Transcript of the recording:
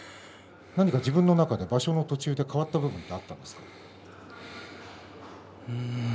自分の中で場所の途中で変わった部分があったんですか。